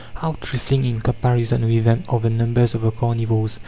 How trifling, in comparison with them, are the numbers of the carnivores!